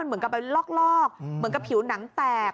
เหมือนกับไปลอกเหมือนกับผิวหนังแตก